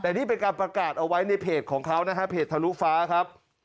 แต่นี่เป็นการประกาศเอาไว้ในเพจของเขานะฮะเพจทะลุฟ้าครับ